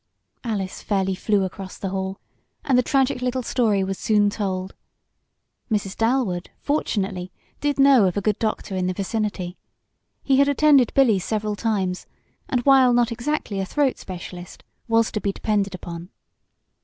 Alice fairly flew across the hall, and the tragic little story was soon told. Mrs. Dalwood, fortunately, did know of a good doctor in the vicinity. He had attended Billy several times, and, while not exactly a throat specialist, was to be depended upon.